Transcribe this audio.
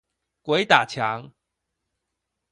鬼打牆